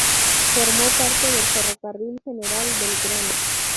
Formó parte del Ferrocarril General Belgrano.